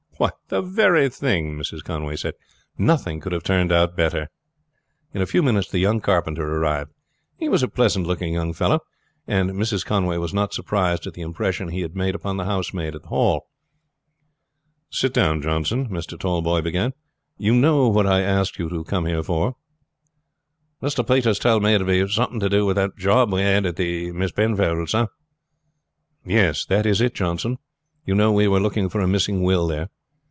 "The very thing," Mrs. Conway said. "Nothing could have turned out better." In a few minutes the young carpenter arrived. He was a pleasant looking young fellow, and Mrs. Conway was not surprised at the impression he had made upon the housemaid at the Hall. "Sit down, Johnson," Mr. Tallboys began. "You know what I asked you to come here for?" "Mr. Peters told me that it was something to do with that job we had at the Miss Penfolds', sir." "Yes, that is it, Johnson. You know we were looking for a missing will there?"